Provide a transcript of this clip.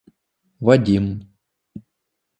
Вадим